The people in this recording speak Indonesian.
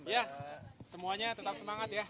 ya semuanya tetap semangat ya